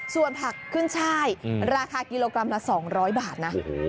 ส่วนผักขึ้นช่ายราคากิโลกรัมละ๒๐๐บาทนะ